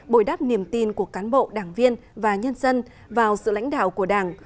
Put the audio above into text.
bồi đắp niềm tin của cán bộ đảng viên và nhân dân vào sự lãnh đạo của đảng